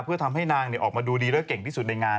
เพื่อทำให้นางออกมาดูดีและเก่งที่สุดในงาน